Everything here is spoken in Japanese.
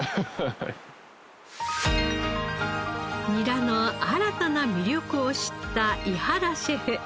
ニラの新たな魅力を知った井原シェフ。